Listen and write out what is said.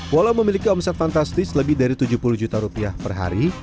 walau memiliki omset fantastis lebih dari tujuh puluh juta rupiah per hari